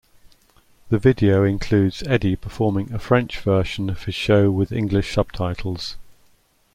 The video includes Eddie performing a French version of his show with English subtitles.